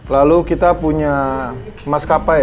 lalu kita punya mas kapai ya